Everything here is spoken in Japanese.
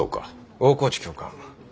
大河内教官。